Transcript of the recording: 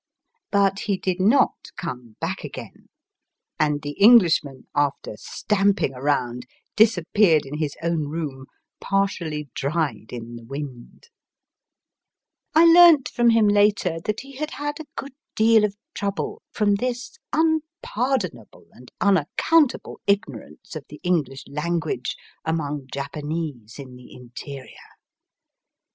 But he did not come back again, and the Englishman, after stamping round, disappeared in his own room, partially dried in the wind. Digitized by VjOOQIC ACBOSS COUNTBY IN JINBIKISHAS. 265 I learnt from him later that he had had a good deal of trouble from this unpardonable and unaccountable ignorance of the EngKsh language among Japanese in the interior.